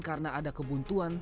karena ada kebuntuan